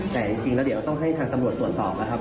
แต่จริงแล้วเดี๋ยวต้องให้ทางตำรวจตรวจสอบนะครับ